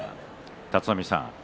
立浪さん